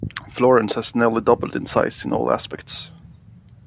Florence has nearly doubled in size in all aspects.